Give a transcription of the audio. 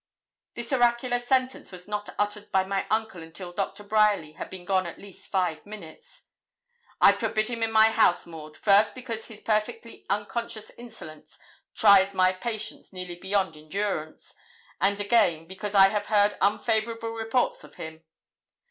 This oracular sentence was not uttered by my uncle until Doctor Bryerly had been gone at least five minutes. 'I've forbid him my house, Maud first, because his perfectly unconscious insolence tries my patience nearly beyond endurance; and again, because I have heard unfavourable reports of him.